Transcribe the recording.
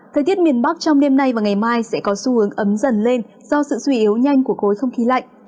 thời tiết miền bắc trong đêm nay và ngày mai sẽ có xu hướng ấm dần lên do sự suy yếu nhanh của khối không khí lạnh